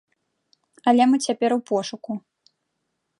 Але мы цяпер у пошуку.